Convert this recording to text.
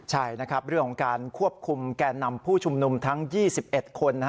ใช่นะครับเรื่องของการควบคุมแก่นำผู้ชุมนุมทั้ง๒๑คน